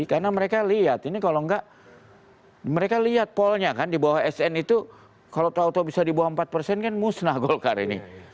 karena mereka lihat ini kalau enggak mereka lihat polnya kan di bawah sn itu kalau tau tau bisa di bawah empat persen kan musnah golkar ini